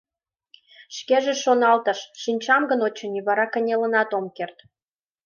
Шкеже шоналтыш: «Шинчам гын, очыни, вара кынелынат ом керт».